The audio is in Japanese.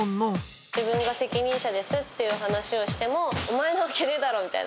自分が責任者ですっていう話をしても、お前なわけねぇだろみたいな。